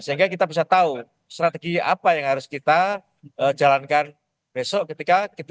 sehingga kita bisa tahu strategi apa yang harus kita jalankan besok ketika kita